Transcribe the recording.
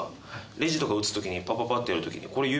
レジとか打つ時にパパパッてやる時にこれ指